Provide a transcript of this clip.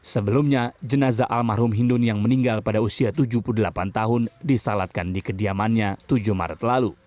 sebelumnya jenazah almarhum hindun yang meninggal pada usia tujuh puluh delapan tahun disalatkan di kediamannya tujuh maret lalu